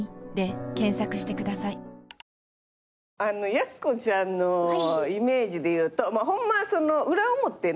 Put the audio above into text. やす子ちゃんのイメージでいうとホンマ裏表ないよな。